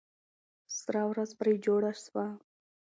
سره ورځ پرې جوړه سوه.